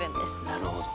なるほど。